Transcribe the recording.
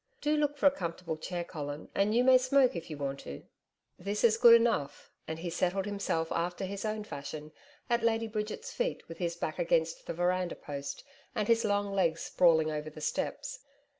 Do look for a comfortable chair, Colin, and you may smoke if you want to.' 'This is good enough,' and he settled himself after his own fashion at Lady Bridget's feet with his back against the veranda post and his long legs sprawling over the steps.